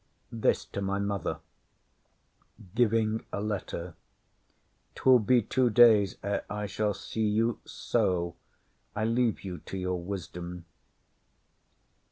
This to my mother. [Giving a letter.] 'Twill be two days ere I shall see you; so I leave you to your wisdom.